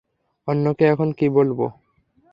অন্যকে এখন কি বলবো?